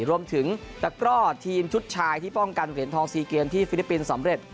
ตะกร่อทีมชุดชายที่ป้องกันเหรียญทอง๔เกมที่ฟิลิปปินส์สำเร็จ